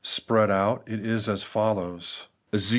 Spread oat, it is as follows :— 1.